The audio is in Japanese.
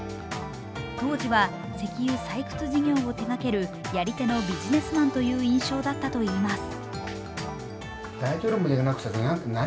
当時は石油採掘事業を手がけるやり手のビジネスマンという印象だったといいます。